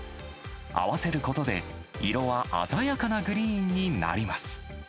合わせることで、色は鮮やかなグリーンになります。